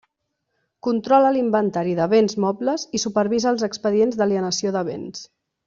Controla l'inventari de béns mobles i supervisa els expedients d'alienació de béns.